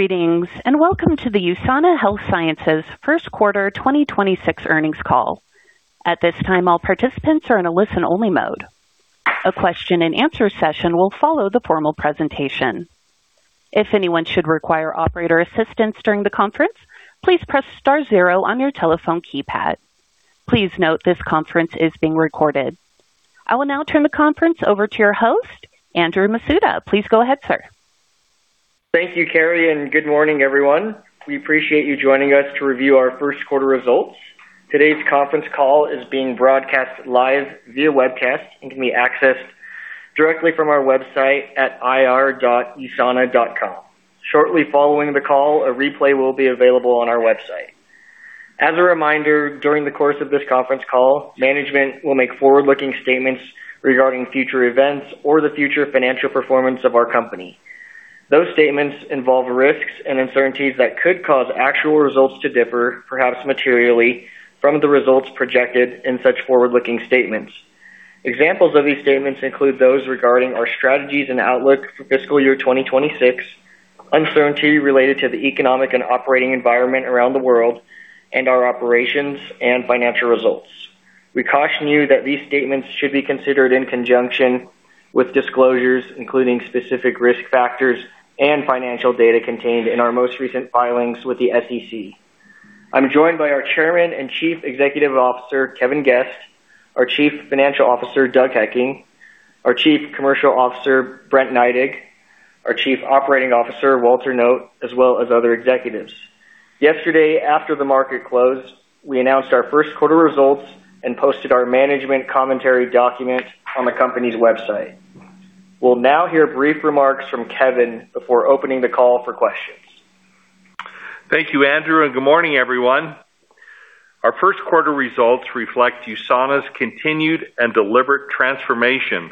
Greetings, and welcome to the USANA Health Sciences 1st quarter 2026 earnings call. At this time, all participants are in a listen-only mode. A question-and-answer session will follow the formal presentation. If anyone should require operator assistance during the conference, please press star zero on your telephone keypad. Please note this conference is being recorded. I will now turn the conference over to your host, Andrew Masuda. Please go ahead, sir. Thank you, Carrie, good morning, everyone. We appreciate you joining us to review our first quarter results. Today's conference call is being broadcast live via webcast and can be accessed directly from our website at ir.usana.com. Shortly following the call, a replay will be available on our website. As a reminder, during the course of this conference call, management will make forward-looking statements regarding future events or the future financial performance of our company. Those statements involve risks and uncertainties that could cause actual results to differ, perhaps materially, from the results projected in such forward-looking statements. Examples of these statements include those regarding our strategies and outlook for fiscal year 2026, uncertainty related to the economic and operating environment around the world, and our operations and financial results. We caution you that these statements should be considered in conjunction with disclosures, including specific risk factors and financial data contained in our most recent filings with the SEC. I'm joined by our Chairman and Chief Executive Officer, Kevin Guest, our Chief Financial Officer, Doug Hekking, our Chief Commercial Officer, Brent Neidig, our Chief Operating Officer, Walter Noot, as well as other executives. Yesterday, after the market closed, we announced our first quarter results and posted our management commentary document on the company's website. We'll now hear brief remarks from Kevin before opening the call for questions. Thank you, Andrew, good morning, everyone. Our first quarter results reflect USANA's continued and deliberate transformation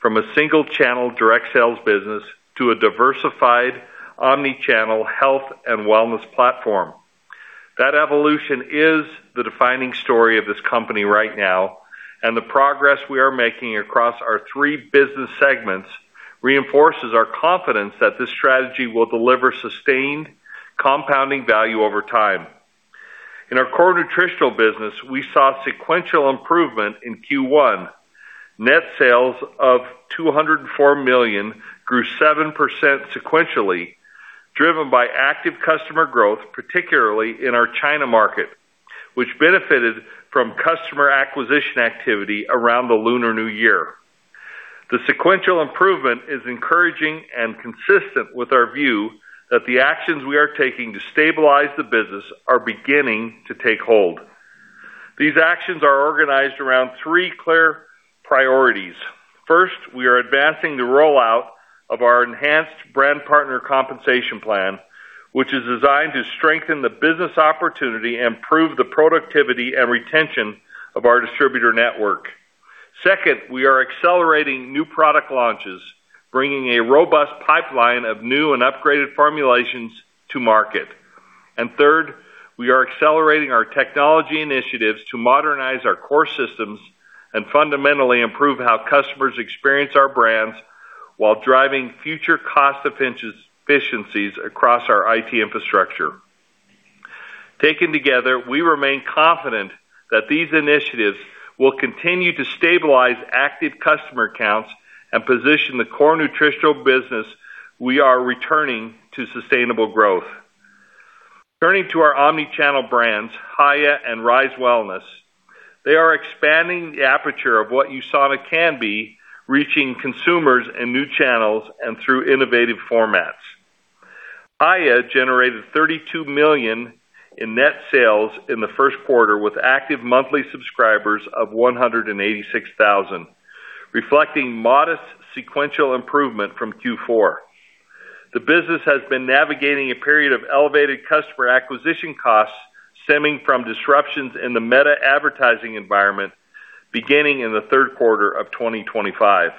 from a single channel direct sales business to a diversified omnichannel health and wellness platform. That evolution is the defining story of this company right now, and the progress we are making across our three business segments reinforces our confidence that this strategy will deliver sustained compounding value over time. In our core nutritional business, we saw sequential improvement in Q1. Net sales of $204 million grew 7% sequentially, driven by active customer growth, particularly in our China market, which benefited from customer acquisition activity around the Lunar New Year. The sequential improvement is encouraging and consistent with our view that the actions we are taking to stabilize the business are beginning to take hold. These actions are organized around three clear priorities. First, we are advancing the rollout of our enhanced Brand Partner compensation plan, which is designed to strengthen the business opportunity and improve the productivity and retention of our distributor network. Second, we are accelerating new product launches, bringing a robust pipeline of new and upgraded formulations to market. Third, we are accelerating our technology initiatives to modernize our core systems and fundamentally improve how customers experience our brands while driving future cost efficiencies across our IT infrastructure. Taken together, we remain confident that these initiatives will continue to stabilize active customer accounts and position the core nutritional business we are returning to sustainable growth. Turning to our omnichannel brands, Hiya and Rise Wellness, they are expanding the aperture of what USANA can be, reaching consumers and new channels and through innovative formats. Hiya generated $32 million in net sales in the first quarter, with active monthly subscribers of 186,000, reflecting modest sequential improvement from Q4. The business has been navigating a period of elevated customer acquisition costs stemming from disruptions in the Meta-advertising environment beginning in the third quarter of 2025.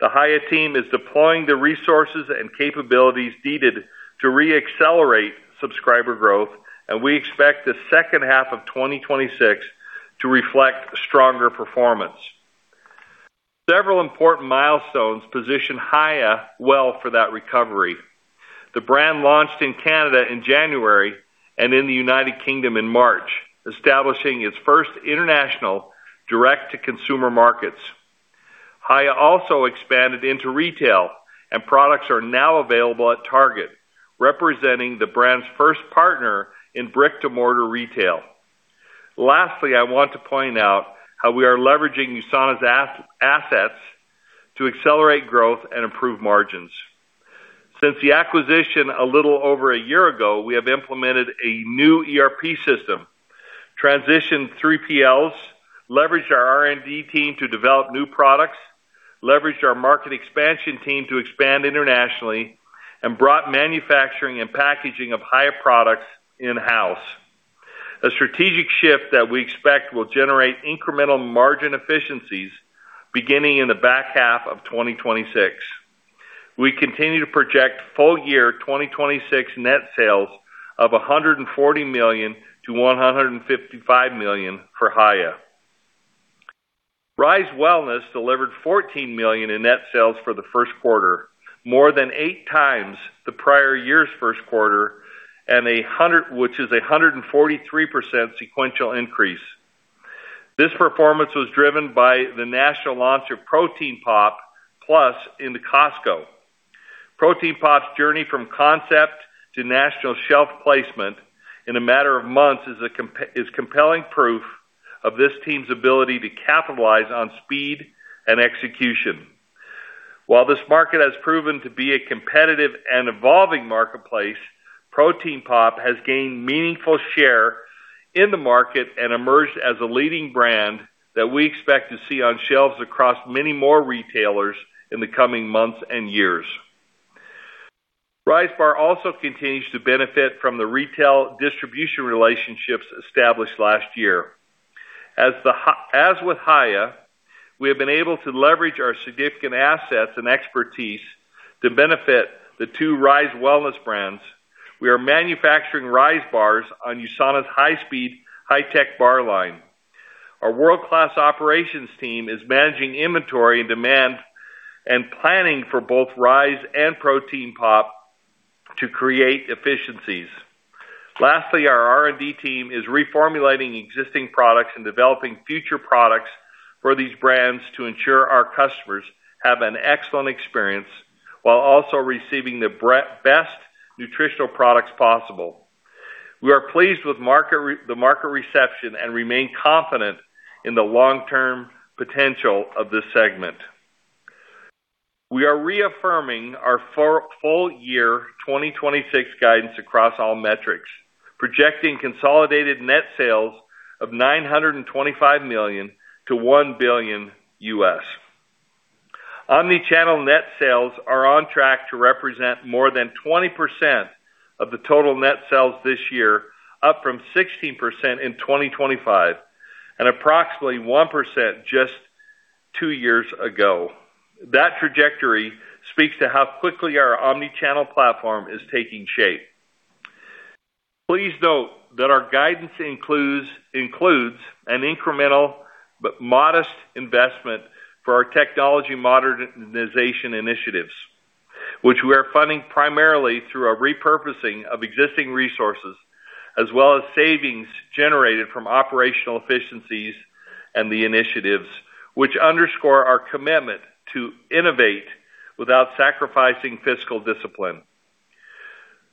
The Hiya team is deploying the resources and capabilities needed to re-accelerate subscriber growth, and we expect the second half of 2026 to reflect stronger performance. Several important milestones position Hiya well for that recovery. The brand launched in Canada in January and in the United Kingdom in March, establishing its first international direct-to-consumer markets. Hiya also expanded into retail and products are now available at Target, representing the brand's first partner in brick-to-mortar retail. Lastly, I want to point out how we are leveraging USANA's assets to accelerate growth and improve margins. Since the acquisition a little over a year ago, we have implemented a new ERP system, transitioned 3PLs, leveraged our R&D team to develop new products, leveraged our market expansion team to expand internationally, and brought manufacturing and packaging of Hiya products in-house. A strategic shift that we expect will generate incremental margin efficiencies beginning in the back half of 2026. We continue to project full year 2026 net sales of $140 million-$155 million for Hiya. Rise Wellness delivered $14 million in net sales for the first quarter, more than 8 times the prior year's first quarter which is 143% sequential increase. This performance was driven by the national launch of Protein Pop Plus into Costco. Protein Pop's journey from concept to national shelf placement in a matter of months is compelling proof of this team's ability to capitalize on speed and execution. While this market has proven to be a competitive and evolving marketplace, Protein Pop has gained meaningful share in the market and emerged as a leading brand that we expect to see on shelves across many more retailers in the coming months and years. Rise Bar also continues to benefit from the retail distribution relationships established last year. As with Hiya, we have been able to leverage our significant assets and expertise to benefit the 2 Rise Wellness brands. We are manufacturing Rise Bars on USANA's high-speed, high-tech bar line. Our world-class operations team is managing inventory and demand and planning for both Rise and Protein Pop to create efficiencies. Lastly, our R&D team is reformulating existing products and developing future products for these brands to ensure our customers have an excellent experience while also receiving the best nutritional products possible. We are pleased with the market reception and remain confident in the long-term potential of this segment. We are reaffirming our full year 2026 guidance across all metrics, projecting consolidated net sales of $925 million-$1 billion. Omnichannel net sales are on track to represent more than 20% of the total net sales this year, up from 16% in 2025 and approximately 1% just 2 years ago. That trajectory speaks to how quickly our omnichannel platform is taking shape. Please note that our guidance includes an incremental but modest investment for our Technology Modernization Initiatives, which we are funding primarily through a repurposing of existing resources as well as savings generated from operational efficiencies and the initiatives which underscore our commitment to innovate without sacrificing fiscal discipline.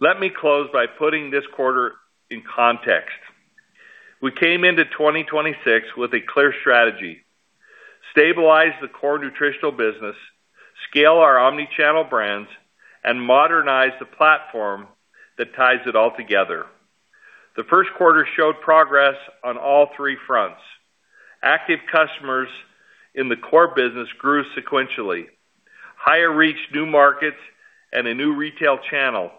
Let me close by putting this quarter in context. We came into 2026 with a clear strategy. Stabilize the core nutritional business, scale our omnichannel brands, and modernize the platform that ties it all together. The first quarter showed progress on all 3 fronts. Active customers in the core business grew sequentially. Hiya reached new markets and a new retail channel.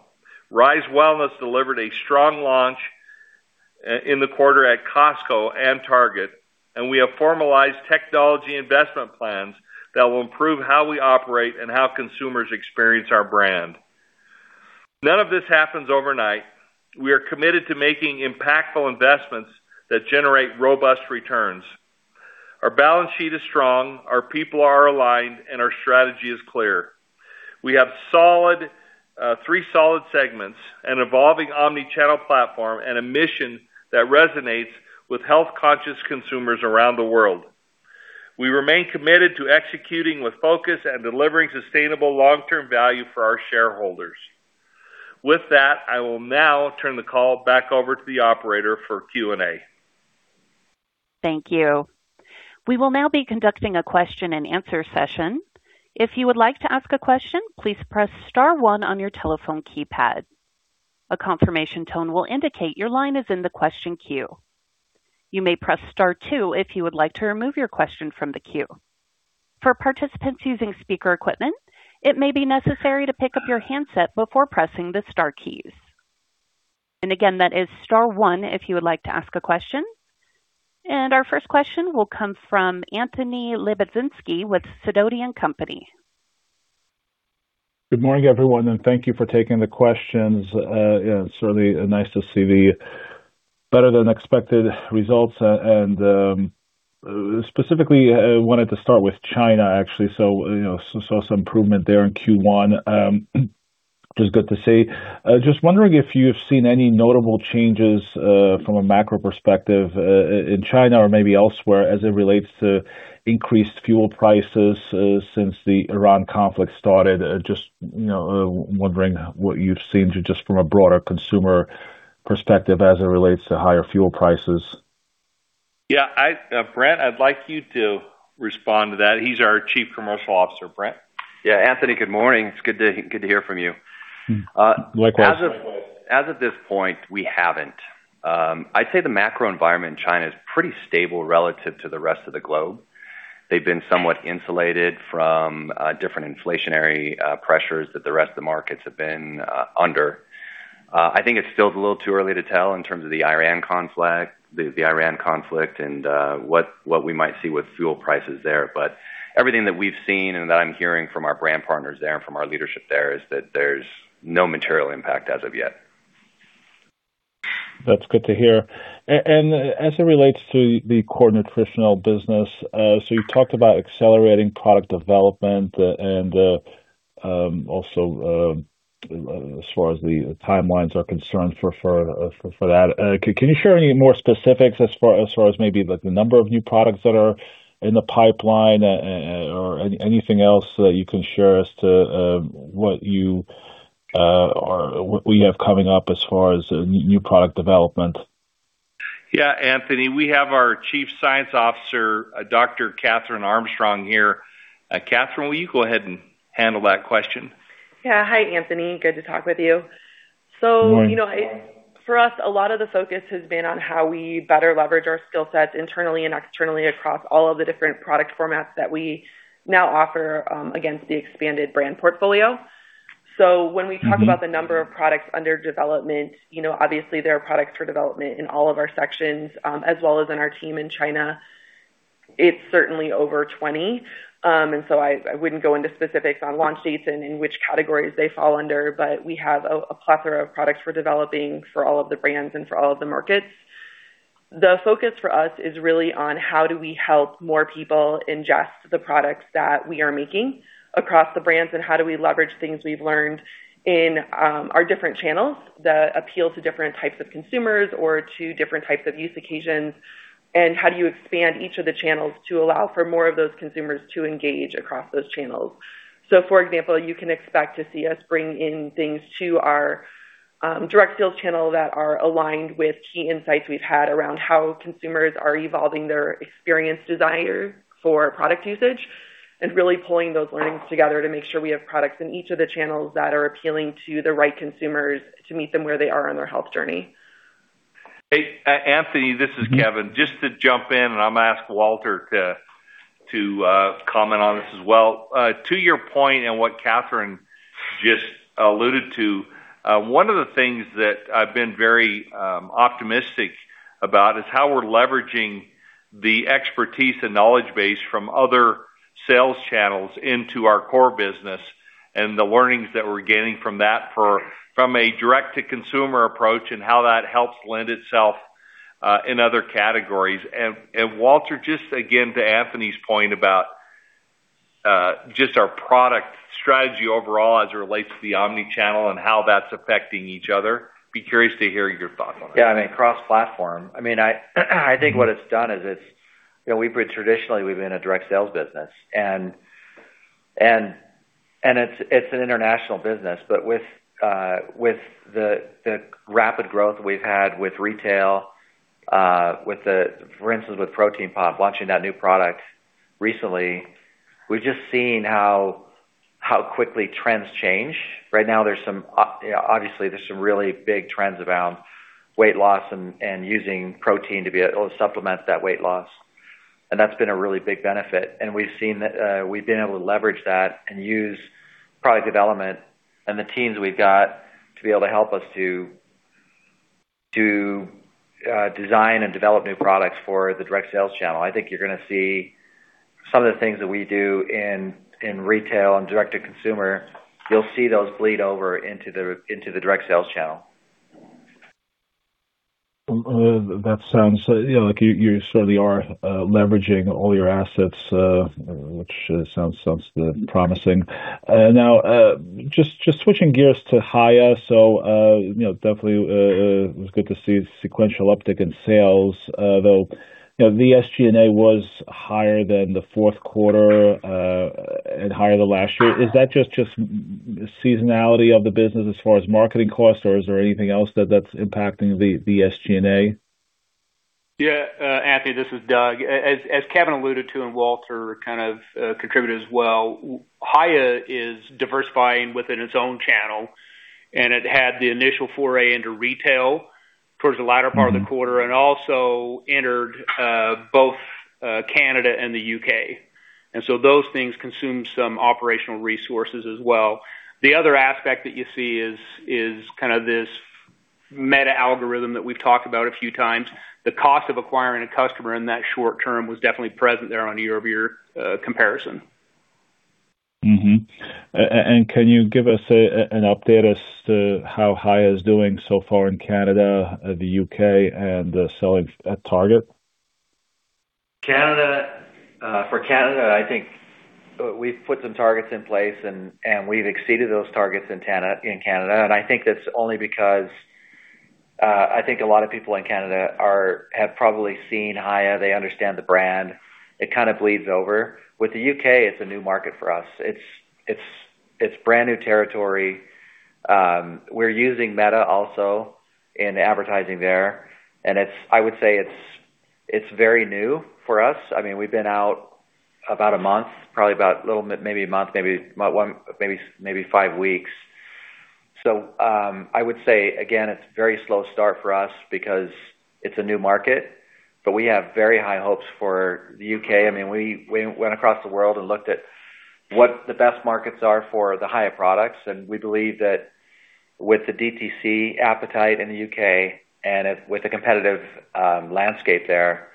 Rise Wellness delivered a strong launch in the quarter at Costco and Target, and we have formalized technology investment plans that will improve how we operate and how consumers experience our brand. None of this happens overnight. We are committed to making impactful investments that generate robust returns. Our balance sheet is strong, our people are aligned, and our strategy is clear. We have solid, three solid segments, an evolving omnichannel platform, and a mission that resonates with health-conscious consumers around the world. We remain committed to executing with focus and delivering sustainable long-term value for our shareholders. With that, I will now turn the call back over to the operator for Q&A. Thank you. We will now be conducting a question-and-answer session. If you would like to ask a question, please press star one on your telephone keypad. A confirmation tone will indicate your line is in the question queue. You may press star two if you would like to remove your question from the queue. For participants using speaker equipment, it may be necessary to pick up your handset before pressing the star keys. Again, that is star 1 if you would like to ask a question. Our first question will come from Anthony Lebiedzinski with Sidoti & Company. Good morning, everyone, thank you for taking the questions. Yeah, it's really nice to see the better than expected results. Specifically, I wanted to start with China, actually. You know, saw some improvement there in Q1, which is good to see. Just wondering if you've seen any notable changes from a macro perspective in China or maybe elsewhere as it relates to increased fuel prices since the Iran conflict started. Just, you know, wondering what you've seen to just from a broader consumer perspective as it relates to higher fuel prices. Yeah, Brent, I'd like you to respond to that. He's our Chief Commercial Officer. Brent? Yeah, Anthony, good morning. It's good to hear from you. Likewise. As of this point, we haven't. I'd say the macro environment in China is pretty stable relative to the rest of the globe. They've been somewhat insulated from different inflationary pressures that the rest of the markets have been under. I think it still is a little too early to tell in terms of the Iran conflict and what we might see with fuel prices there. Everything that we've seen and that I'm hearing from our Brand Partners there and from our leadership there is that there's no material impact as of yet. That's good to hear. As it relates to the core nutritional business, you talked about accelerating product development and also as far as the timelines are concerned for that. Can you share any more specifics as far as maybe like the number of new products that are in the pipeline, or anything else that you can share as to what you or what you have coming up as far as new product development? Yeah, Anthony, we have our Chief Scientific Officer, Dr. Kathryn Armstrong here. Kathryn, will you go ahead and handle that question? Yeah. Hi, Anthony. Good to talk with you. Good morning. You know, for us, a lot of the focus has been on how we better leverage our skill sets internally and externally across all of the different product formats that we now offer, against the expanded brand portfolio. When we talk about the number of products under development, you know, obviously there are products for development in all of our sections, as well as in our team in China. It's certainly over 20, I wouldn't go into specifics on launch dates and in which categories they fall under, but we have a plethora of products we're developing for all of the brands and for all of the markets. The focus for us is really on how do we help more people ingest the products that we are making across the brands and how do we leverage things we've learned in our different channels that appeal to different types of consumers or to different types of use occasions. How do you expand each of the channels to allow for more of those consumers to engage across those channels. For example, you can expect to see us bring in things to our direct sales channel that are aligned with key insights we've had around how consumers are evolving their experience desires for product usage, and really pulling those learnings together to make sure we have products in each of the channels that are appealing to the right consumers to meet them where they are on their health journey. Hey, Anthony, this is Kevin. Just to jump in, and I'm gonna ask Walter to comment on this as well. To your point and what Kathryn just alluded to, one of the things that I've been very optimistic about is how we're leveraging the expertise and knowledge base from other sales channels into our core business and the learnings that we're gaining from that from a direct-to-consumer approach and how that helps lend itself in other categories. Walter, just again, to Anthony's point about just our product strategy overall as it relates to the omnichannel and how that's affecting each other. Be curious to hear your thoughts on that. Yeah, I mean, cross-platform. I mean, I think what it's done is it's, you know, we've been traditionally, we've been a direct sales business and it's an international business. With the rapid growth we've had with retail, for instance, with Protein Pop launching that new product recently, we've just seen how quickly trends change. Right now, there's obviously some really big trends around weight loss and using protein to be able to supplement that weight loss. That's been a really big benefit. We've seen that we've been able to leverage that and use product development and the teams we've got to be able to help us to design and develop new products for the direct sales channel. I think you're gonna see some of the things that we do in retail and direct-to-consumer, you'll see those bleed over into the direct sales channel. That sounds, you know, like you certainly are leveraging all your assets, which sounds promising. Now, just switching gears to Hiya. You know, definitely, it was good to see sequential uptick in sales. Though, you know, the SG&A was higher than the fourth quarter, and higher than last year. Is that just seasonality of the business as far as marketing costs, or is there anything else that's impacting the SG&A? Yeah. Anthony, this is Doug. As Kevin alluded to and Walter kind of contributed as well, Hiya is diversifying within its own channel, and it had the initial foray into retail towards the latter part of the quarter and also entered both Canada and the U.K. Those things consume some operational resources as well. The other aspect that you see is kind of this Meta algorithm that we've talked about a few times. The cost of acquiring a customer in that short term was definitely present there on a year-over-year comparison. Mm-hmm. Can you give us an update as to how Hiya is doing so far in Canada, the U.K., and selling at Target? Canada, for Canada, I think we've put some targets in place and we've exceeded those targets in Canada, and I think that's only because I think a lot of people in Canada have probably seen Hiya. They understand the brand. It kind of bleeds over. With the U.K., it's a new market for us. It's, it's brand new territory. We're using Meta also in advertising there. I would say it's very new for us. I mean, we've been out about a month, probably about little bit, maybe a month, maybe five weeks. I would say again, it's very slow start for us because it's a new market, but we have very high hopes for the U.K. I mean, we went across the world and looked at what the best markets are for the Hiya products, and we believe that with the DTC appetite in the U.K. and with the competitive landscape there,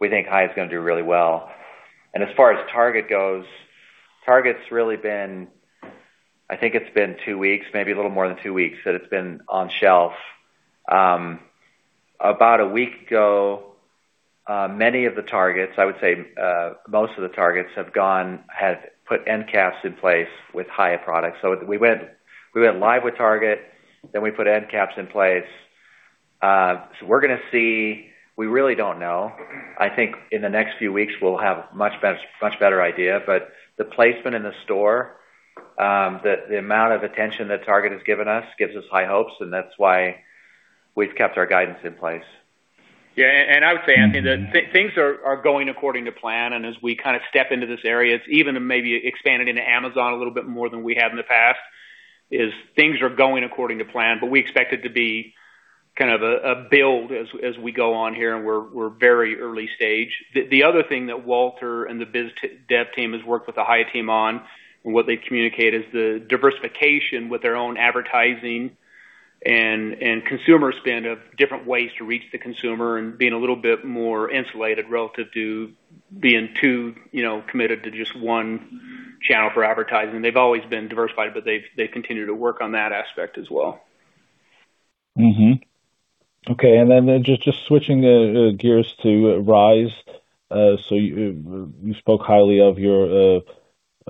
we think Hiya is gonna do really well. As far as Target goes, Target's really been. I think it's been two weeks, maybe a little more than two weeks that it's been on shelf. About a week ago, many of the Targets, I would say, most of the Targets have put end caps in place with Hiya products. We went live with Target, then we put end caps in place. We're gonna see. We really don't know. I think in the next few weeks, we'll have much better idea. The placement in the store, the amount of attention that Target has given us gives us high hopes, and that's why we've kept our guidance in place. Yeah, I would say, Anthony, that things are going according to plan. As we kind of step into this area, it's even maybe expanded into Amazon a little bit more than we have in the past, things are going according to plan. We expect it to be kind of a build as we go on here, and we're very early stage. The other thing that Walter and the biz dev team has worked with the Hiya team on, and what they communicate, is the diversification with their own advertising and consumer spend of different ways to reach the consumer and being a little bit more insulated relative to being too, you know, committed to just one channel for advertising. They've always been diversified, but they've continued to work on that aspect as well. Mm-hmm. Okay, just switching gears to Rise. You spoke highly of your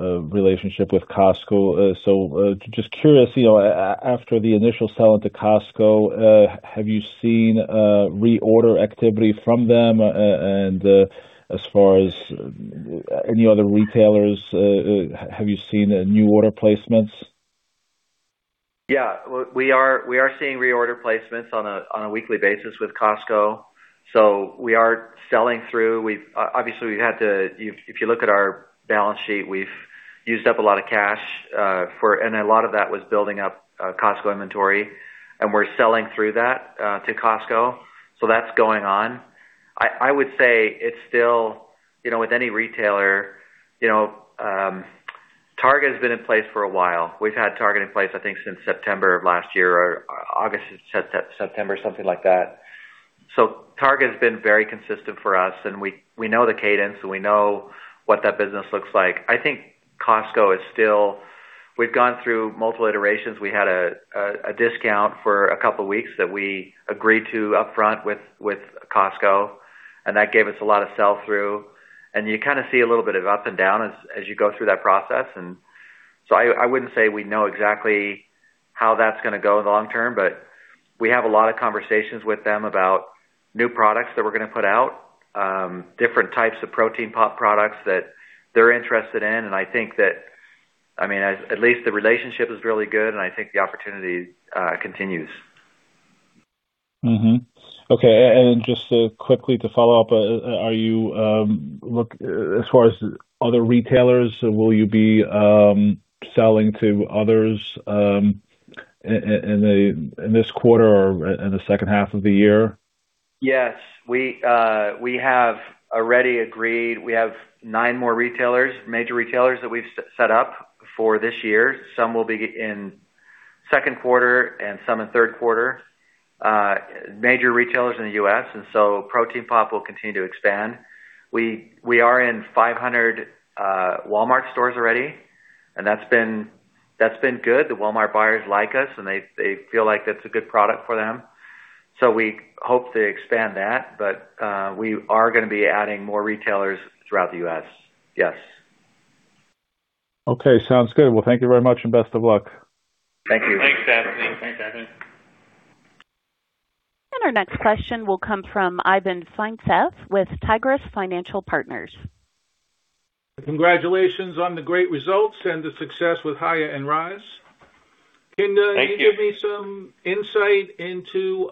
relationship with Costco. Just curious, you know, after the initial sell into Costco, have you seen reorder activity from them? As far as any other retailers, have you seen new order placements? We are seeing reorder placements on a weekly basis with Costco, we are selling through. Obviously, we've had to If you look at our balance sheet, we've used up a lot of cash for. A lot of that was building up Costco inventory, and we're selling through that to Costco. That's going on. I would say it's still, you know, with any retailer, you know, Target has been in place for a while. We've had Target in place, I think, since September of last year or August to September, something like that. Target has been very consistent for us, and we know the cadence, and we know what that business looks like. I think Costco is still we've gone through multiple iterations. We had a discount for a couple of weeks that we agreed to upfront with Costco, and that gave us a lot of sell-through. You kind of see a little bit of up and down as you go through that process. I wouldn't say we know exactly how that's gonna go in the long term, but we have a lot of conversations with them about new products that we're gonna put out, different types of Protein Pop products that they're interested in. I think that, I mean, at least the relationship is really good, and I think the opportunity continues. Mm-hmm. Okay. Just quickly to follow up, as far as other retailers, will you be selling to others in this quarter or in the second half of the year? Yes. We have already agreed. We have nine more retailers, major retailers that we've set up for this year. Some will be in second quarter and some in third quarter, major retailers in the U.S., and Protein Pop will continue to expand. We are in 500 Walmart stores already, and that's been good. The Walmart buyers like us, and they feel like that's a good product for them. We hope to expand that, but we are gonna be adding more retailers throughout the U.S. Yes. Okay. Sounds good. Well, thank you very much and best of luck. Thank you. Thanks, Anthony. Our next question will come from Ivan Feinseth with Tigress Financial Partners. Congratulations on the great results and the success with Hiya and Rise. Thank you. Can you give me some insight into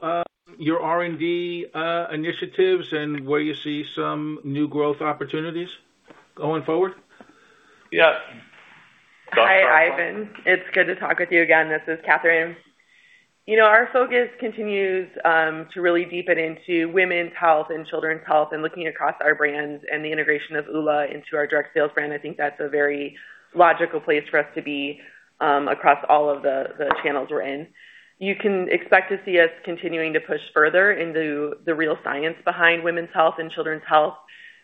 your R&D initiatives and where you see some new growth opportunities going forward? Yeah. Hi, Ivan. It's good to talk with you again. This is Kathryn. You know, our focus continues to really deepen into women's health and children's health and looking across our brands and the integration of Oola into our direct sales brand. I think that's a very logical place for us to be across all of the channels we're in. You can expect to see us continuing to push further into the real science behind women's health and children's health.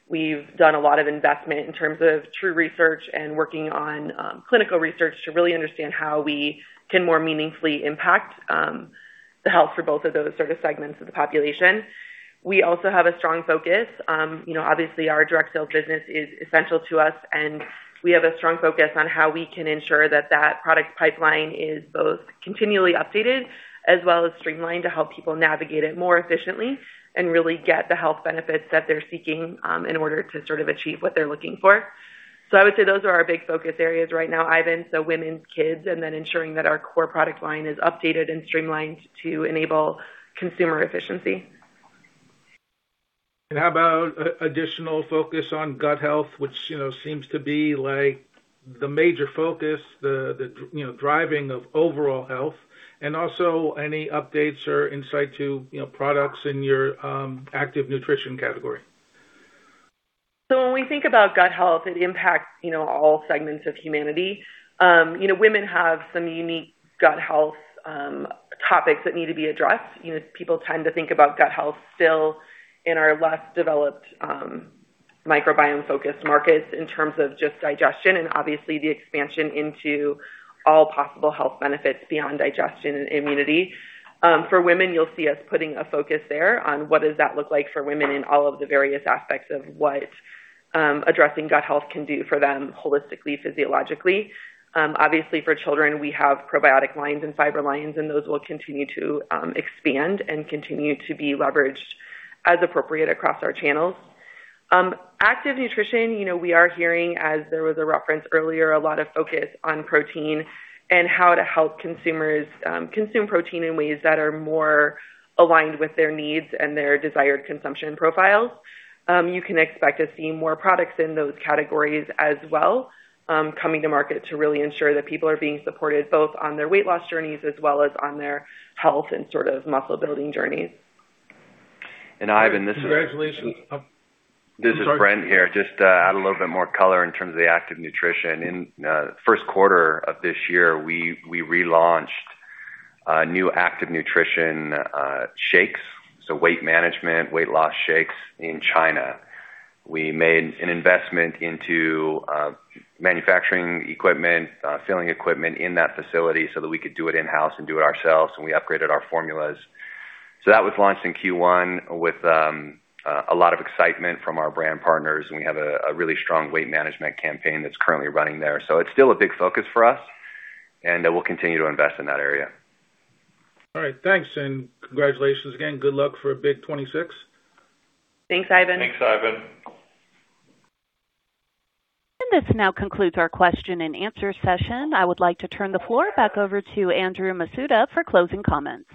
We've done a lot of investment in terms of true research and working on clinical research to really understand how we can more meaningfully impact the health for both of those sort of segments of the population. We also have a strong focus, you know, obviously our direct sales business is essential to us, and we have a strong focus on how we can ensure that that product pipeline is both continually updated as well as streamlined to help people navigate it more efficiently and really get the health benefits that they're seeking, in order to sort of achieve what they're looking for. I would say those are our big focus areas right now, Ivan, so women's, kids, and then ensuring that our core product line is updated and streamlined to enable consumer efficiency. How about additional focus on gut health, which, you know, seems to be like the major focus, the you know, driving of overall health? Also any updates or insight to, you know, products in your active nutrition category? When we think about gut health, it impacts, you know, all segments of humanity. You know, women have some unique gut health topics that need to be addressed. You know, people tend to think about gut health still in our less developed, microbiome-focused markets in terms of just digestion and obviously the expansion into all possible health benefits beyond digestion and immunity. For women, you'll see us putting a focus there on what does that look like for women in all of the various aspects of what addressing gut health can do for them holistically, physiologically. Obviously for children, we have probiotic lines and fiber lines, and those will continue to expand and continue to be leveraged as appropriate across our channels. Active nutrition, you know, we are hearing, as there was a reference earlier, a lot of focus on protein and how to help consumers consume protein in ways that are more aligned with their needs and their desired consumption profiles. You can expect to see more products in those categories as well, coming to market to really ensure that people are being supported both on their weight loss journeys as well as on their health and sort of muscle building journeys. Ivan, this- Congratulations. Oh, I'm sorry. This is Brent here. Just to add a little bit more color in terms of the active nutrition. In first quarter of this year, we relaunched new active nutrition shakes, so weight management, weight loss shakes in China. We made an investment into manufacturing equipment, filling equipment in that facility so that we could do it in-house and do it ourselves, and we upgraded our formulas. That was launched in Q1 with a lot of excitement from our Brand Partners, and we have a really strong weight management campaign that's currently running there. It's still a big focus for us, and we'll continue to invest in that area. All right. Thanks, and congratulations again. Good luck for a big 2026. Thanks, Ivan. Thanks, Ivan. This now concludes our question and answer session. I would like to turn the floor back over to Andrew Masuda for closing comments.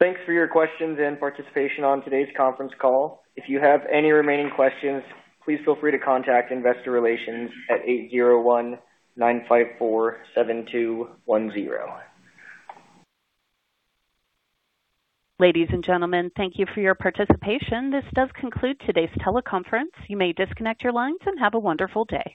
Thanks for your questions and participation on today's conference call. If you have any remaining questions, please feel free to contact investor relations at 801-954-7210. Ladies and gentlemen, thank you for your participation. This does conclude today's teleconference. You may disconnect your lines and have a wonderful day.